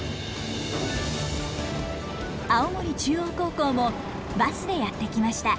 青森中央高校もバスでやって来ました。